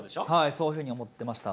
そういうふうに思っていました。